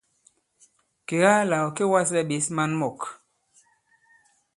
Kèga là ɔ̀ kê wa᷇slɛ ɓěs maŋ mɔ̂k.